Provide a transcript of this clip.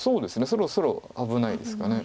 そろそろ危ないですかね。